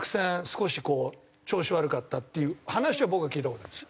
少しこう調子悪かったっていう話を僕は聞いた事あります。